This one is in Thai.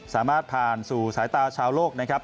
สามารถผ่านสู่สายตาชาวโลกนะครับ